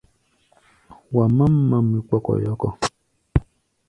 Wa mám mamí kpɔkɔyɔkɔ.